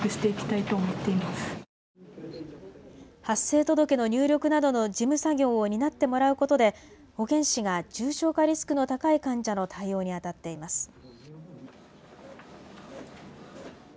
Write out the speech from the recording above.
発生届の入力などの事務作業を担ってもらうことで保健師が重症化リスクの高い患者の対応にあたっています。